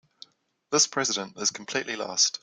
This president is completely lost.